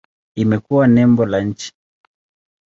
Imekuwa nembo la nchi.